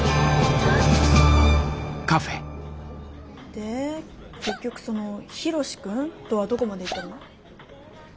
で結局そのヒロシ君とはどこまでいったの？